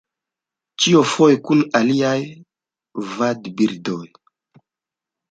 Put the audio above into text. Ĉio foje kun aliaj vadbirdoj.